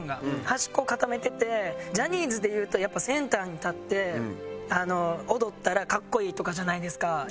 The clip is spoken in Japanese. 端っこを固めててジャニーズでいうとやっぱセンターに立って踊ったら格好いいとかじゃないですか。